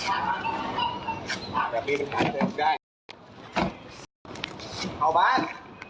อ่ามีถึงหาเติมได้เอาบ้าน